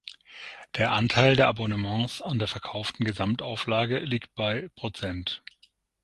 Der Anteil der Abonnements an der verkauften Gesamtauflage liegt bei Prozent.